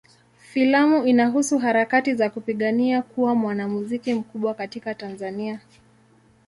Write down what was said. Filamu inahusu harakati za kupigania kuwa mwanamuziki mkubwa katika Tanzania.